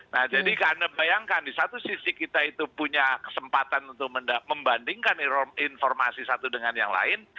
nah jadi karena bayangkan di satu sisi kita itu punya kesempatan untuk membandingkan informasi satu dengan yang lain